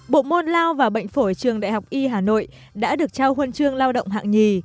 bộ môn lao và bệnh phổi trường đại học y hà nội đã được trao huân chương lao động hạng nhì